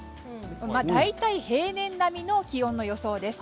大体、平年並みの気温の予想です。